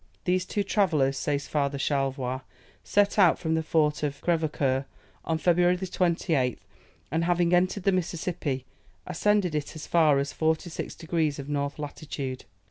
"These two travellers," says Father Charlevoix, "set out from the fort of Crèvecoeur, on February 28th, and having entered the Mississippi, ascended it as far as 46 degrees of north latitude.